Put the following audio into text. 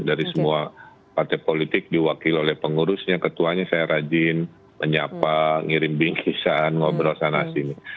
dari semua partai politik diwakili oleh pengurusnya ketuanya saya rajin menyapa ngirim bingkisan ngobrol sana sini